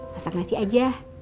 masak nasi aja